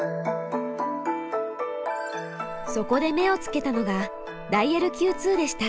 そこで目をつけたのがダイヤルＱ２でした。